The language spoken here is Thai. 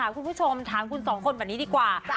คุณผู้ชมถามคุณสองคนแบบนี้ดีกว่า